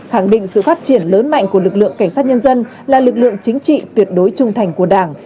khẳng định sự phát triển lớn mạnh của lực lượng cảnh sát nhân dân là lực lượng chính trị tuyệt đối trung thành của đảng